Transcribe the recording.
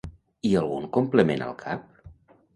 I algun complement al cap?